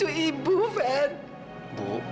enggak pernah lelaki